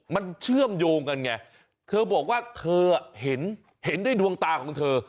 มันเชื่อมโยงกันไงเธอบอกว่าเธอเห็นด้วยดวงตาของเธอ